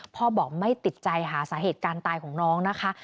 พ่อบอกไม่ติดใจหาสาเหตุการณ์ตายของน้องนะคะ